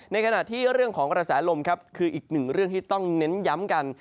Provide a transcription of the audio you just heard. ในขณะที่เรื่องของกระแสลมครับคืออีกหนึ่งเรื่องที่ต้องเน้นย้ำกัน